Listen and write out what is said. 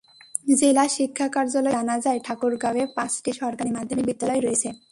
জেলা শিক্ষা কার্যালয় সূত্রে জানা যায়, ঠাকুরগাঁওয়ে পাঁচটি সরকারি মাধ্যমিক বিদ্যালয় রয়েছে।